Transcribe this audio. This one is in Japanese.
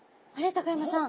高山さん